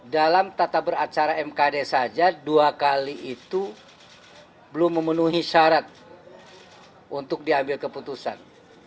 dalam tata beracara mkd saja dua kali itu belum memenuhi syarat untuk diambil keputusan